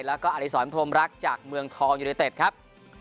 แล้วก็อาริสรมพรมรักษ์จากเมืองทองอยู่ในเต็ดครับ